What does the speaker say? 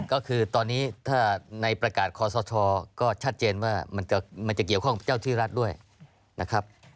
ก็คือตอนนี้ถ้าในประกาศคอสชก็ชัดเจนว่ามันจะเกี่ยวข้องกับเจ้าที่รัฐด้วยนะครับ